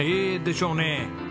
でしょうね。